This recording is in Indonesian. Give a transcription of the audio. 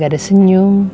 gak ada senyum